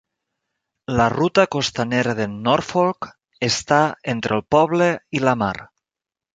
La ruta costanera de Norfolk està entre el poble i la mar.